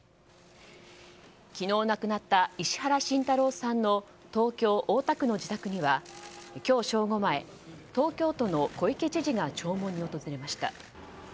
昨日亡くなった石原慎太郎さんの東京・大田区の自宅には今日、正午前東京都の小池知事が弔問に訪れました。